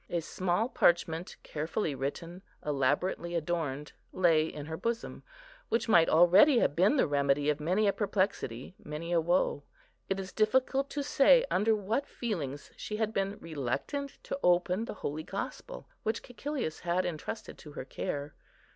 A small parchment, carefully written, elaborately adorned, lay in her bosom, which might already have been the remedy of many a perplexity, many a woe. It is difficult to say under what feelings she had been reluctant to open the Holy Gospel, which Cæcilius had intrusted to her care.